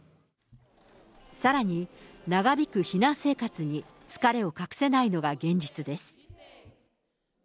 さらに、長引く避難生活に疲れを隠せないのが現実です。